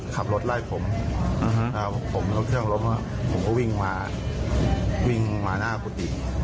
ขับรถไล่ผมผมก็วิ่งมาหน้ากุฏิ